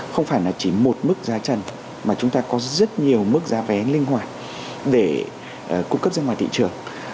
không phải là chỉ một mức giá trần mà chúng ta có rất nhiều mức giá vé linh hoạt để cung cấp ra ngoài thị trường